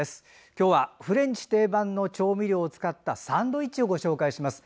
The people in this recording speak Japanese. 今日はフレンチ定番の調味料を使ったサンドイッチです。